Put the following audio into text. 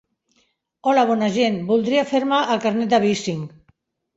Hola bona gent, voldria fer-me el carnet de bicing.